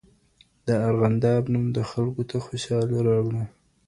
د ارغنداب نوم خلکو ته خوشحالۍ راوړي.